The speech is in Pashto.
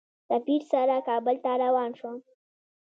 سفیر سره کابل ته روان شوم.